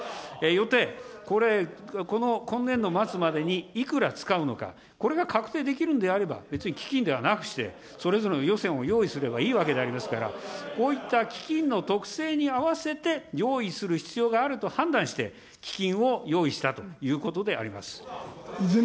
よって、今年度末までにいくら使うのか、これが確定できるんであれば、別に基金ではなくして、それぞれの予算を用意すればいいわけでありますから、こういった基金の特性に合わせて、用意する必要があると判断して、基金を用意したということであります。